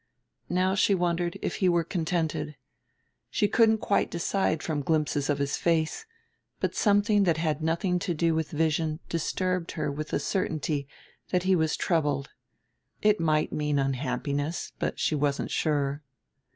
Now she wondered if he were contented. She couldn't quite decide from glimpses of his face; but something that had nothing to do with vision disturbed her with the certainty that he was troubled. It might mean unhappiness, but she wasn't sure.